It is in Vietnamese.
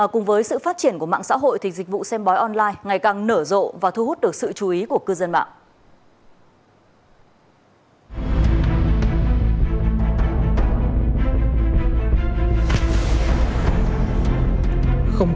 cùng với sự phát triển của mạng xã hội thì dịch vụ xem bói online ngày càng nở rộ và thu hút được sự chú ý của cư dân mạng